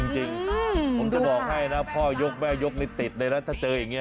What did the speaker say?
จริงผมจะบอกให้นะพ่อยกแม่ยกนี่ติดเลยนะถ้าเจออย่างนี้